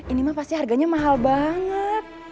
ini mah pasti harganya mahal banget